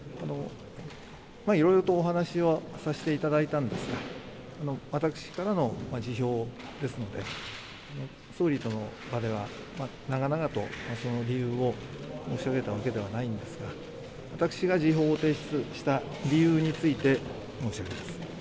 いろいろとお話しはさせていただいたんですが、私からの辞表ですので、総理との場では、長々とその理由を申し上げたわけではないんですが、私が辞表を提出した理由について、申し上げます。